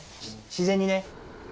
自然にね。